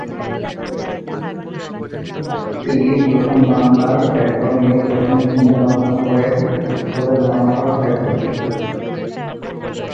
তিনিই প্রথম বাংলার ব্যাকরণ নিয়ে প্রথম চিন্তাভাবনা করেন বলে ধারণা করা হয়ে থাকে।